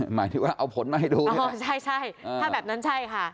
หมายถึงว่าเอาผลมาให้ดูอ๋อใช่ใช่ถ้าแบบนั้นใช่ค่ะ